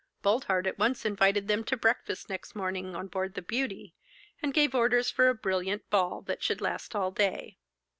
Boldheart at once invited them to breakfast next morning on board 'The Beauty,' and gave orders for a brilliant ball that should last all day.